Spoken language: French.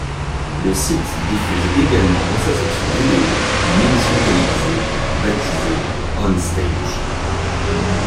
Le site diffuse également dans sa section vidéo une émission télévisée, baptisée On Stage.